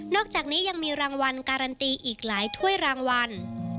อกจากนี้ยังมีรางวัลการันตีอีกหลายถ้วยรางวัล